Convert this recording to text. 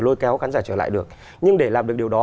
lôi kéo khán giả trở lại được nhưng để làm được điều đó